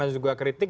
dan juga kritik